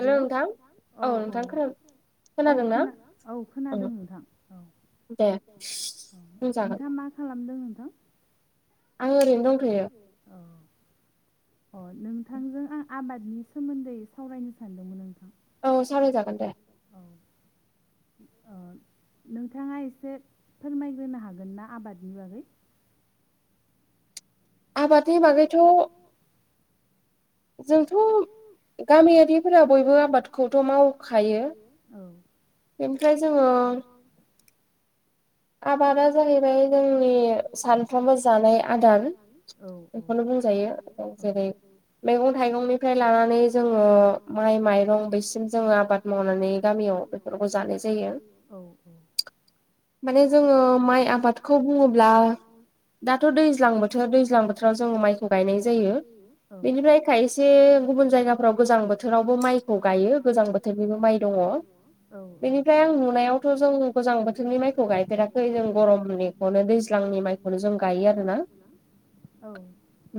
Hello औ औ औ खोना औ खोनादों नोंथां औ औ नोंथाङा मा खालामदों नोंथां? आं ओरैनो दंथ'यो अ अ नोंथांजों आं आबादनि सोमोन्दै सावरायनो सानदोंमोन नोंथां। औ सावरायजागोन दे। औ अ नोंथाङा एसे फोरमायग्रोनो हागोन ना आबादनि बागै आबादनि बागैथ' [inaudible] जोंथ' गामियारिफोरा बयबो आबादखौथ' मावखायो। बेनिफ्राय जोङो आबादा जाहैबाय जोंनि सानफ्रोमबो जानाय आदार बेखौनो बुं जायो जेरै मैगं थाइगंनिफ्राय लानानै जोङो माइ माइरं बेसिम जोङो आबाद मावनानै गामियाव बेफोरखौ जानाय जायो। औ औ माने जोङो माइ आबादखौ बुङोब्ला दाथ' दैज्लां बोथोर दैज्लां बोथोराव जोङो माइखौ गायनाय जायो। बेनिफ्राय खायसे गुबुन जायगाफोराव गोजां बोथोरावबो माइखौ गायो गोजां बो थोरनिबो माइ दङ। बेनिफ्राय आं नुनायावथ' जों गोजां बोथोरनि माइ खौ गायफेराखै जों गरमनिखौनो दैज्लांनि माइखौनो जों गायो आरोना। औ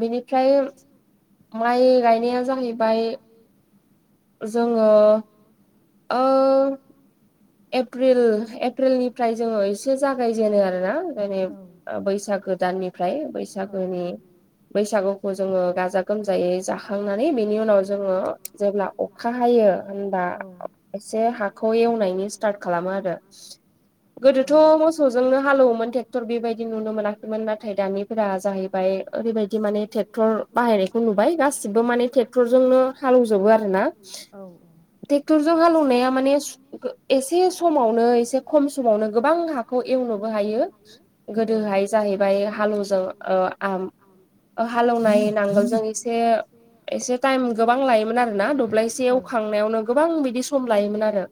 बेनिफ्राय माइ गायनाया जाहैबाय जोङो ओ एप्रिलनिफ्राय जोङो एसे जागायजेनो आरोना माने बैसागो दाननिफ्राय बैसागोनि बैसागुखौ जोङो गाजा गोमजायै जाखांनानै बेनि उनाव जोङो जेब्ला अखा हायो होनबा एसे हाखौ एवनायनि स्थारट खालामो आरो गोदोथ' मोसौ जोंनो हालौवोमोन ट्रेक्टर बेबायदि नुनो मोनाखैमोन नाथाय दानि दुब्लिफोर जाहैबाय ओरैबायदि माने ट्रेक्टर बाहायनायखौ नुबाय गासिबो माने टे टेक्टरजोंनो हालेवजोबो आरो ना औ ट्रेक्टरजों हालेवनाया माने एसे समावनो एसे खम समावनो गोबां हाखौ एवनोबो हायो। गोदोहाय जाहैबाय हालवजों आम हालेवनाय नांगोलजों एसे एसे टाइम गोबां लायोमोन आरो ना दब्लायसे एवखांनायावनो गोबां बिदि सम लायोमोन आरो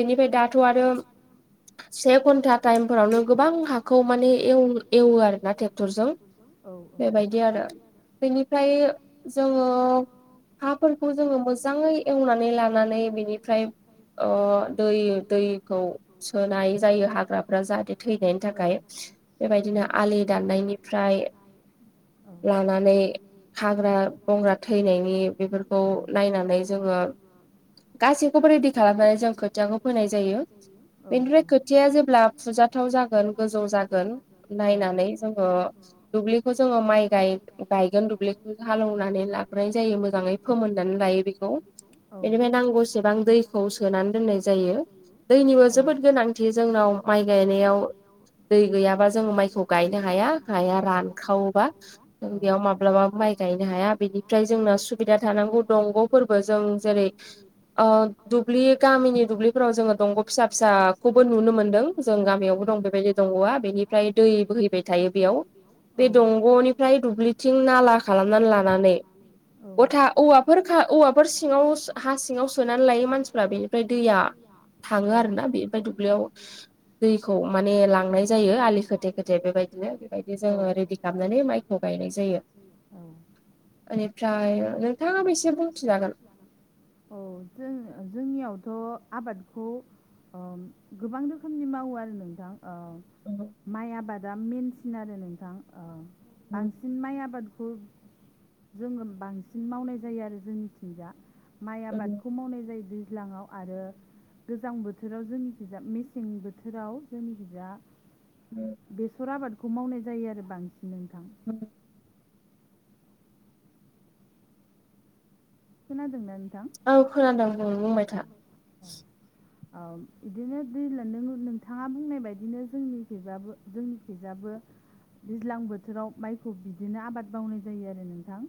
बेनिफ्राय दाथ' आरो से घन्टा टाइम फोरावनो गोबां हाखौ माने एव- एवो आरो ना ट्रेक्टरजों बेबायदि आरो बेनिफ्राय जोङो -' हाफोरखौ जोङो मोजाङै एवनानै लानानै बेनिफ्राय ओ दै दैखौ सोनाय जायो हाग्राफ्रा जाहाथे थैनायनि थाखाय। बेबायदिनो आलि दाननायनिफ्राय लानानै हाग्रा -बंग्रा थैनायनि बेफोरखौ नायनानै जोङो गासैखौबो रेडि खालामनानै जों खोथिखौ फोनाय जायो बेनिफ्राय खोथिया जेब्ला फुजाथाव जागोन गोजौ जागोन नायनानै जोङो दुब्लिखौ जोङो माइ गाय- गायगोन दुब्लिखौ हालेवनानै लाबोनाय जायो मोजाङै। फोमोननानै लायो बेखौ बेनिफ्राय नांगौसेबां दैखौ सोनानै दोननाय जायो दैनिबो जोबोद गोनांथि जोंनाव माइ गायनायाव दै गैयाबा जों माइखौ गायनो हाया हाया रानखावोबा जों बेयाव माब्लाबा माइ गायनो हाया बेनिफ्राय जोंना सुबिदा थानांगौ दंग'फोरबो जों जेरै - अ दधुब्लि गामनि दुब्लिफोराव जोङो दंग' फिसा फिसाखौबो नुनो मोन्दों जों गामियावबो दं बेबायदि। दंग'आ बेनिफ्राय दै बोहैबाय थायो बेयाव बे दंग'निफ्राय दब्लि थि नाला खालामनानै लानानै गथा औवा फोर खा औवाफोर सिङाव हा सिङाव सोनानै लायो मानसिफ्रा बेनिफ्राय दैया थाङो आरो ना बे ओफ्राय दुब्लियाव दैखौ माने लांनाय जायो आलि खोथे- खोथे बेबायदिनो बेबायदि जोङो रेडि खालामनानै माइ खौ गायनाय जायो बेनिफ्राय नोंथाङा बेसे बुंथिजागोन। औ जों जोंनियावथ' आबादखौ गोबां रोखोमनि मावो आरो नोंथां ओ [inaudible] माइ आबादा मेनसिन आरो नोंथां बांसिन। माइ आबादखौ जोङो बांसिन मावनाय जायो आरो जोंनिथिंजा माइ आबादखौ मावनाय जायो दैज्लाङाव। आरो गोजां बोथोराव जोंनिखैजा मेसें बोथोराव जोंनिखैजा उम। बेसर आबादखौ मावनाय जायो आरो बांसिन नोंथां। उ खोनादों न नोंथां? औ खोनादों बुं बुंबाय था। ओ बिदिनो दै लदों नोंथाङा बुंनाय बायदिनो जोंनि खैजाबो जोंनि खैजाबो दैज्लां बोथोराव माइखौ बिदिनो आबाद मावनाय जायो आरो नोंथां।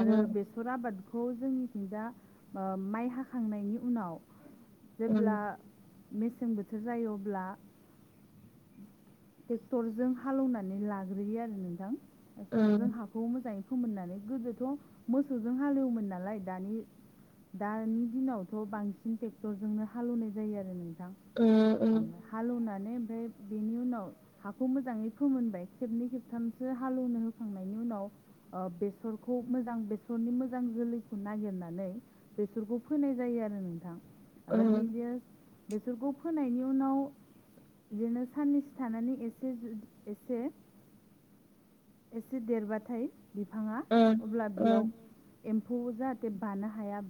आरो बेसर आबादखौ जोंनिथिं दा माइ हाखांनायनि उनाव जेब्ला मेसें बोथोर जायो अब्ला टेक्टरजों हालेवनानै लाग्रोयो आरो नोंथां टेक्टरजों हाखौ मोजाङै फोमोननानै गोदोथ' मोसौजों हालेवोमोन नालाय दानि दानि दिनावथ' बांसिन ट्रेक्टरजोंनो हालेवनाय जायो आरो नों ओम हालेवनानै ओमफ्राय बेनि उनाव हाखौ मोजाङै फोमोनबाय खेबनै खेबथामसो हालेवनो होखांनायनि उनाव बेसरखौ मोजां बेसरनि मोजां जोलैखौ नागिरनानै बेसरखौ फैनाय जायो आरो नोंथां ओमफ्राय बिदि बेसोरखौ फोनायनि उनाव बिदिनो साननैसो थानानै एसे एसे एसे देरबाथाय बिफाङा अब्ला बेयाव एम्फौ जाहाथे बानो हाया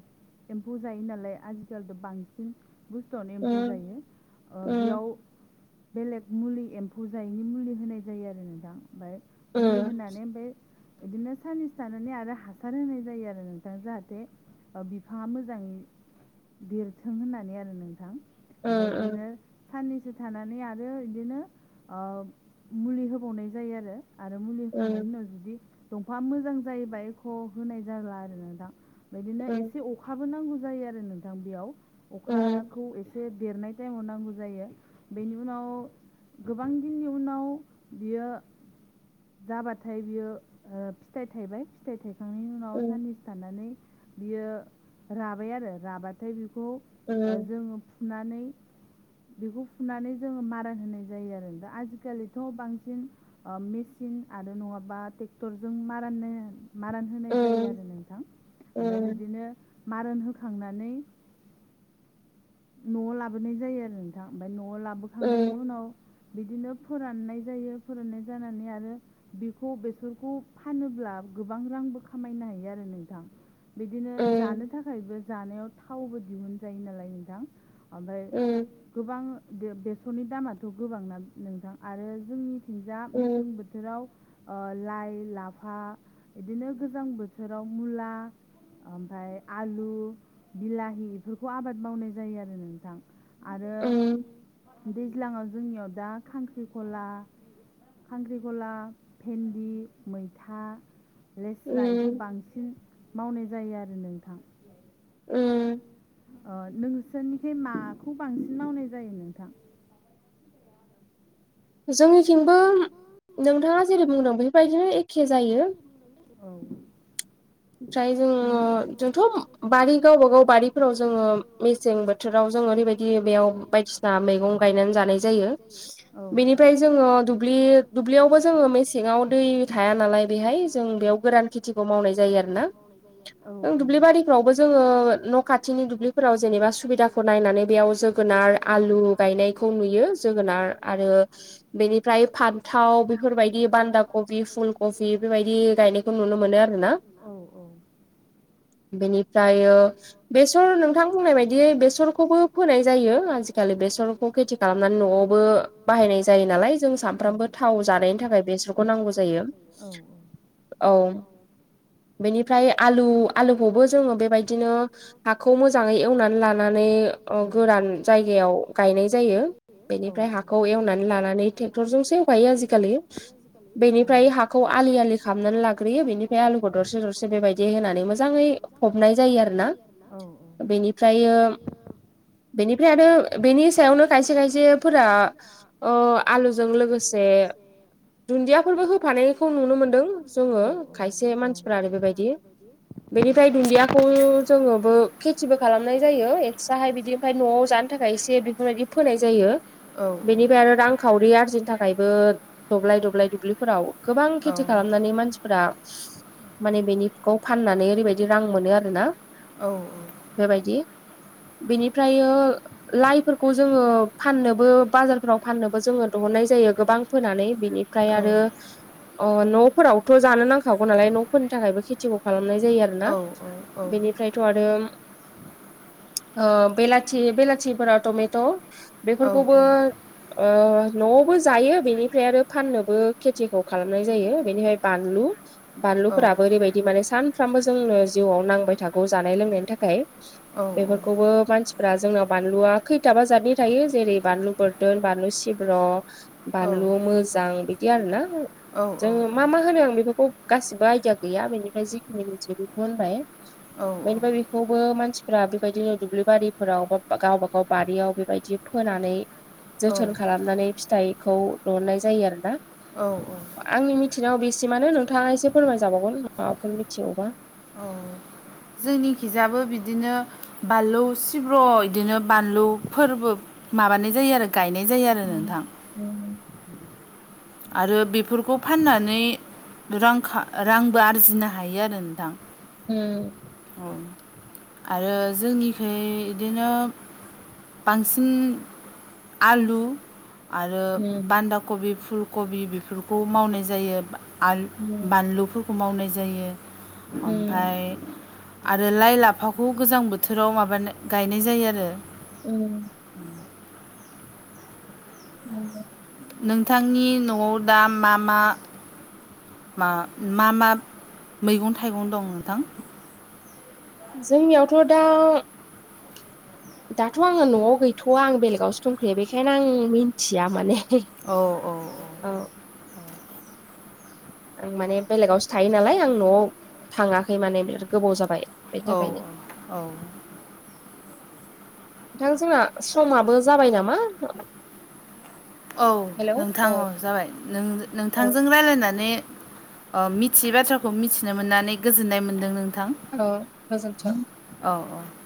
एम्फौ जायो नालाय आजिखालिथ बांसिन बुस्थुआवनो एम्फौ जायो बेयाव बेलेग मुलि एम्फौ जायैनि मुलि होनाय जायो आरो नोंथां। ओमफ्राय मुलि होनानै ओमफ्राय बिदिनो साननिस थानानै आरो हासार होनाय जायो आरो नोंथां जाहाथे बिफाङा मोजाङै देरथों होननानै आरो नोंथां ओमफ्राय बिदिनो साननैसो थानानै आरो आरो बिदिनो मुलि होबावनाय जायो आरो आरो मुलि होखांनायनि उनाव जुदि दंफाङआ मोजां जायोबा एख' होनाय जाला आरो नोंथां बिदिनो एसे अखाबो नांगौ जायो आरो नोंथां बेयाव अखाखौ एसे देरनाय टाइमाव नांगौ जायो बेनि उनाव गोबां दिननि उनाव बियो जाबाथाय बियो फिथाइ थाइबाय फिथाइ थायखांनायनि उनाव साननै साननानै बियो राबाय आरो राबाथाय बिखौ जोङो फुनानै बेखौ फुनानै जोङो मारान होनाय जायो आरो दा आजिखालिथ' बांसिन मेसिन आरो नङाबा ट्रेक्टरजों माराननो मारान होनाय जायो आरो नोंथां ओमफ्राय बिदिनो मारोन होखांनानै नआव लाबोनाय जायो आरो ओमफ्राय न'आव लाबोखांनायनि उनाव बिदिनो फोराननाय जायो फोराननाय जानानै आरो बेखौ बेसरखौ फानोब्ला गोबां रांबो खामायनो हायो आरो नोंथां बिदिनो जानो थाखायबो जानायाव थावबो दिहुन जायो नालाय नोंथां ओमफ्राय गोबां बेसरनि दामाथ' गोबांना नोंथां आरो जोंनि फिन्जा मेसें बो लाइ लाफा बिदिनो गोजां बोथोराव मुला ओमफ्राय आलु बिलाहि बेफोरखौ आबाद मावनाय जायो आरो नोंथां आरो दैज्लाङाव जोंनियाव दा खांख्रिखला खांख्रि ला भेन्दि मैथा लेस्रा इखो बांसिन मावनाय जायो आरो नोंथां उम अ नोंसोरनिखाय माखौ बांसिन मावनाय जायो नोंथां जोंनिथिंबो नोंथाङा जेरै बुंदों बेफोरबायदिनो एखे जायो औ ओमफ्राय जोंङो जोंथ बारि गावबाागाव बारिफोराव जोङो मेसें बो थोराव जों ओरैबायदि बेयाव बायदिसिना मैगं गायनानै जानाय जायो औ बेनिफ्राय जोंङो दुब्लि दुब्लियावबो जोंङो मेसेङाव दै थाया नालाय बेहाय जों बेयाव गोरान खेथिखौ मावनाय जायो आरोना जों दुब्लि बारिफ्रावबो जोङो न' खाथिनि दुब्लिफोराव जेनेबा सुबिदाखौ नायनानै बेयाव जों जोगोनार आलु गायनायखौ नुयो जोगोनार आरो बेनिफ्राय फान्थाव बेफोरबायदि बान्दा कबि फुल कबि बेफोरबायदि गायनायखौ नुनो मोनो आरो ना औ औ बेनिफ्रायो। बेसर नोंथां बुंनाय बायदि बेसरखौबो फोनाय जायो आजि खालि बेसर खौ खेथि खालामनानै न'आवबो बाहायनाय जायो नालाय जों। सानफ्रामबो थाव जानायनि थाखाय बेसरखौ नांगौ जायो। औ औ। औ। बेनिफ्राय आलु आलुखौबो जोङो बेबायदिनो हाखौ मोजाङै एवनानै लानानै गोरान जायगायाव गायनाय जायो। बेनिफ्राय हाखौ एवनानै लानानै टक्टरजोंसो एवखायो आजिखालि बेनिफ्राय हाखौ आलि आलि खालामनानै लाग्रोयो बेनिफ्राय आलु दरसे दरसे बेबायदि होनानै मोजाङै फबनाय जायो आरोना। बेनिफ्रायो बेनिफ्राय आरो बेनि सायावनो खायसे खायसेफोरा अ आलुजों लोगोसे दुन्दियाफोरबो होफानायखौ नुनो मोनदों जोङो खायसे मानसिफ्रा आरो बेबायदि बेनिफ्राय दुन्दियाखौ जोङोबो खेथिबो खालामनाय जायो एक्सट्राहाय बिदि ओमफाय न'आव जानो थाखाय एसे बेफोरबायदि फोनाय जायो बेनिफ्राय आरो रांखावरि आरजिनो थाखायबो दब्लाय दब्लाय दुब्लिफोराव गोबां खेथि खालामनानै मानसिफोरा माने बेनिखौ फाननानै ओरैबायदि रां मोनो आरोना औ बेबायदि बेनिफ्रायो लाइफोरखौ जोङो फाननोबो बाजारफोराव फाननोबो जोङो दिहुननाय जायो गोबां फोनानै बिनि ओमफ्राय आरो ओ न'फोरावथ' जानो नांखागौ नालाय न' फोरनि थाखायबो खेथिखौ खालामनाय जायो आरोना बेनि बिनिफ्रायथ' आरो बेलाथि बेलाथिफोरा टमेट' बेफोरखौबो ओ न'आवबो जायो बेनिफ्राय आरो फाननोबो खेथिखौ खालामनाय जायो बेनिफ्राय बानलु बानलुफोराबो ओरैबायदि माने सानफ्रामबो जोंनो जिउआव नांबाय थागौ जानाय लोंनायनि थाखाय बेफोरखौबो मानसि फोरा जोंना बानलुआ खैथाबा जादनि थायो जेरै बानलु बोरदोन बानलु सिब्र' बानलु मोजां बिदि आरोना जों मा मा होनो आं बेफोरखौ गासिबो आय दिया गैया बेनिफ्राय जिखिनि मिथियो बेखौ होनबाय। बेनिफ्राय बेखौबो मानसिफ्रा बेबायदिनो दुब्लि बारिफोराव बा गावबा गाव बारियाव बेबायदि फोनानै जोथोन खालामनानै फिथाइखौ दहुननाय जायो आरोना। औ औ आंनि मिथिनायाव बेसे मानो नोंथाङा एसे फोरमायजाबावगोन माबाफोर मिथिगौबा। औ जोंनिखिजाबो बिदिनो बानलु सिब्र' इदिनो बानलुफोरबो माबानाय जायो आरो गायनाय जायो आरो नोंथां। उम आरो बेफोरखौ फाननानै रां रांबो आरजिनो हायो आरो नोंथां उम औ आरो जोंनिखै इदिनो बांसिन आलु आरो बान्दा कबि फुल कबि बेफोरखौ मावनाय जायो आलु बानलुफोरखौ मावनाय जायो ओमफाय आरो लाइ लाफाखौ गोजां बोथोराव माबानो गायनाय जायो आरो। उम उम नोंथांनि न'आव दा मा मा मा मा मा मैगं थाइगं दं नोंथां? जोंनियावथ' दा दाथ' आङो न'आव गैथ'वा आं बेलेगावसो दंखायो बेखायनो आं मिन्थिया माने। औ औ। औ‌ आं माने बेलेगावसो थायो नालाय आं न'आव थाङाखै माने बिराद गोबाव जाबाय बे थाखायनो। नोंथां जोंना समाबो जाबाय नामा। औ नोंथाङा अ' जाबाय नोंथांजों राय्लायनानै अ मिथियै बाथ्राखौ मिथिनो मोननानै गोजोननाय मोन्दों नोंथां। औ गोजोन्थों। औ औ।